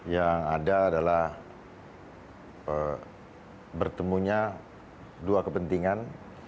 yang ada adalah bertemunya dua kepentingan